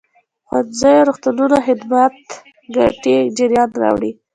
ښوونځيو روغتونونو خدمات ګټې جريان راوړي.